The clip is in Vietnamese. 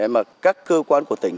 mà các cơ quan của tỉnh